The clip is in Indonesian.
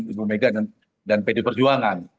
ibu megan dan pdip perjuangan